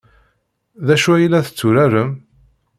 D acu ay la tetturarem?